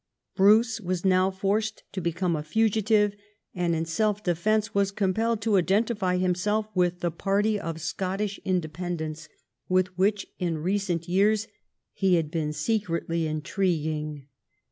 Bruce was now forced to become a fugitive, and in self defence was compelled to identify himself with the party of Scottish independence, with which in recent years he had been secretly intriguing.